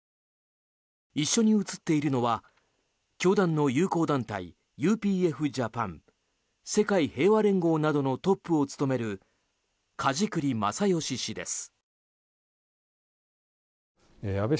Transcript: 一緒に写っているのは教団の友好団体ＵＰＦ−Ｊａｐａｎ世界平和連合などのトップを務める梶栗正義氏です。